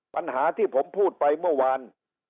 ปัญหาที่ผมพูดไปเมื่อวาน